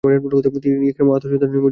তখন ইকরামা আত্মানুশোচনায় নিমজ্জিত হল।